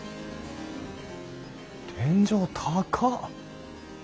天井高っ！